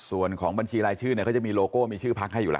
ส่วนของบัญชีรายชื่อเนี่ยเขาจะมีโลโก้มีชื่อพักให้อยู่แล้ว